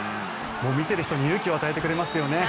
見ている人に勇気を与えてくれますよね。